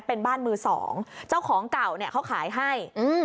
เป็นบ้านมือสองเจ้าของเก่าเนี่ยเขาขายให้อืม